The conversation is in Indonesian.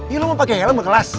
iya lo mau pake helm kelas